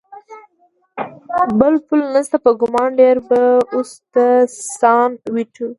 بل پل نشته، په ګمان ډېر به اوس د سان وېټو.